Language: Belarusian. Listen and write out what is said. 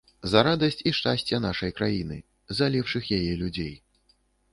За радасць і шчасце нашай краіны, за лепшых яе людзей.